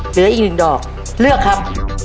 เหลืออีกหนึ่งดอกเลือกครับ